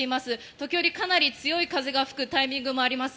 時折、かなり強い風が吹くタイミングもあります。